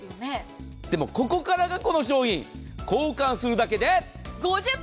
でも、ここからがこの商品交換するだけで。